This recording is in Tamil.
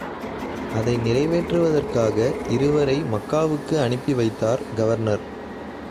அதை நிறைவேற்றுவதற்காக இருவரை மக்காவுக்கு அனுப்பி வைத்தார் கவர்னர்.